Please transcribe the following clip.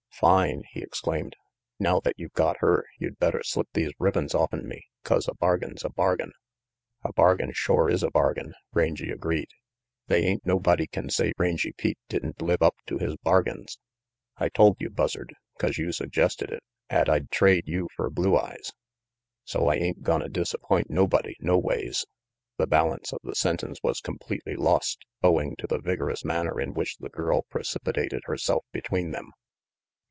"Fine," he exclaimed. "Now that you've got her you'd better slip these ribbons offen me 'cause a bargain's a bargain." "A bargain shore is a bargain," Rangy agreed. "They ain't nobody can say Rangy Pete didn't live up to his bargains. I told you, Buzzard, 'cause you suggested it, 'at I'd trade you fer Blue Eyes, so I ain't gonna disappoint nobody no ways The balance of the sentence was completely lost owing to the vigorous manner in which the girl precipitated herself between them.